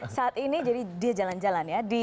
saat ini jadi dia jalan jalan ya